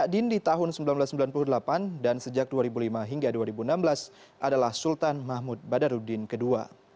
dan di tahun seribu sembilan ratus sembilan puluh delapan dan sejak dua ribu lima dua ribu enam belas adalah sultan mahmud badaruddin ii